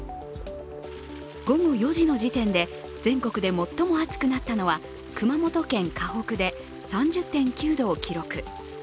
午後４時の時点で全国で最も暑くなったのは熊本県・鹿北で３０．９度を記録。